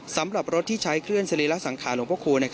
สำหรับรถที่ใช้เคลื่อนสรีระสังขารหลวงพระคูณ